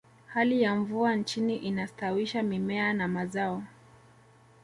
hali ya mvua nchini inastawisha mimea na mazao